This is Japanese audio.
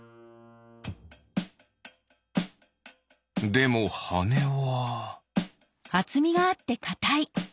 でもはねは。